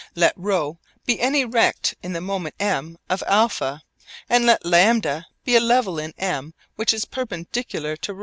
Let ρ be any rect in the moment M of α and let λ be a level in M which is perpendicular to ρ.